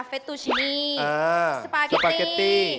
ฟาตุชินีสปาเก็ตตี้